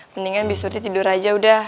mendingan bi surti tidur aja udah